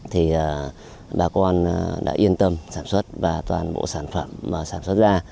thì bà con đã yên tâm sản xuất và toàn bộ sản phẩm mà sản xuất ra